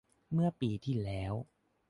เมื่อปีที่แล้ว